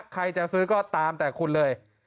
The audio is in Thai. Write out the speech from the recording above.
ใครจะซื้อก็ตามแต่คุณเลย